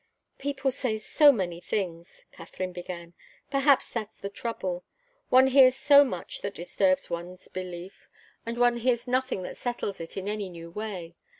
"People say so many things," Katharine began. "Perhaps that's the trouble. One hears so much that disturbs one's belief, and one hears nothing that settles it in any new way.